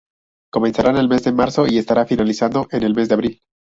Comenzará en el mes de marzo y estará finalizado en el mes de Abril.